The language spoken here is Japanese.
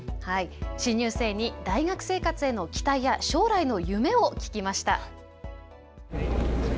新入生に大学生活への期待や将来の夢を聞きました。